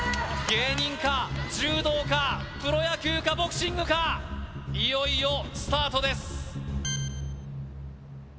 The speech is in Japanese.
芸人か柔道かプロ野球かボクシングかいよいよスタートです